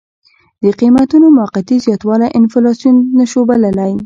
د قیمتونو موقتي زیاتوالی انفلاسیون نه شو بللی.